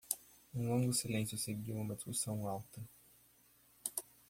Um longo silêncio seguiu uma discussão alta.